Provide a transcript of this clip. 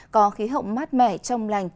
có khí hậu mát mẻ trong lành